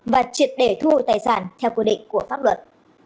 và triệt để thu hồi tài sản theo quy định của pháp luật